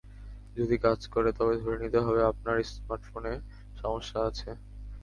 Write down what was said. যদি কাজ করে, তবে ধরে নিতে হবে আপনার স্মার্টফোনে সমস্যা আছে।